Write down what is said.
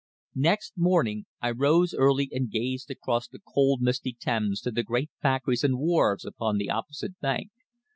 Next morning I rose early and gazed across the cold misty Thames to the great factories and wharves upon the opposite bank.